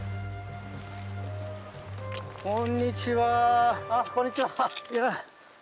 こんにちは。